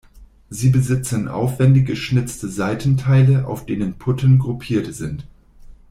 Sie besitzen aufwändig geschnitzte Seitenteile, auf denen Putten gruppiert sind.